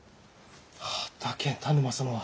あぁだけん田沼様は！